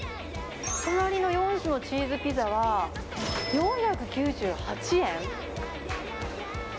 隣の４種のチーズピザは４９８円。